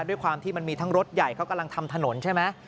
ด้วยความที่มันมีทั้งรถใหญ่เขากำลังทำถนนใช่ไหม